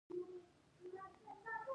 لاره سره ډېر بلد شوی يم.